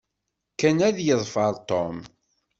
Ken ad yeḍfer Tom.